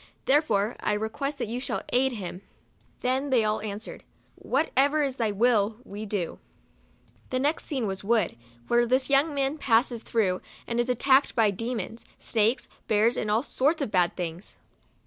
Therefore I request that you shall aid him." Then they all answered, " What ever is thy will, we do." The next scene was a wood, where this young man passes through, and is attacked by demons, snakes, bears, and all sorts of bad things.